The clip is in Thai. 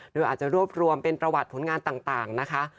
โดยอาจจะรวบรวมเป็นประวัติผลงานต่างนะคะ